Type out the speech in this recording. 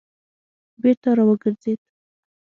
بېرته را وګرځېد.